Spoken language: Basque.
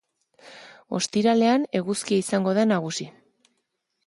Ostiralean eguzkia izango da nagusi.